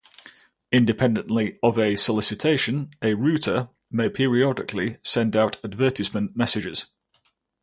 Independently of a solicitation, a router may periodically send out advertisement messages.